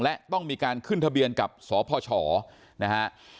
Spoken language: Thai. และต้องมีการขึ้นทะเบียนกับสพชนะฮะ